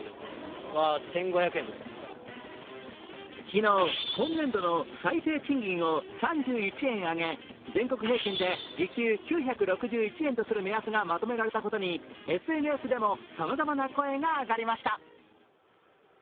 昨日、今年度の最低賃金を３１円上げ全国平均で時給９６１円とする目安がまとめられたことにＳＮＳでもさまざまな声が上がりました。